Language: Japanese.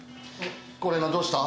これがどうした？